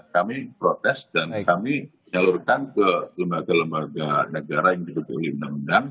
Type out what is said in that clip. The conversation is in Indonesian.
kami protes dan kami jalurkan ke lembaga lembaga negara yang diperlukan untuk mendang dang